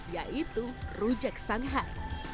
yaitu rujak sanghai